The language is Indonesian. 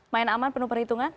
main aman penuh perhitungan